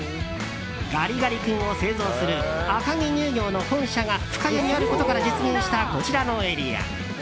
ガリガリ君を製造する赤城乳業の本社が深谷にあることから実現したこちらのエリア。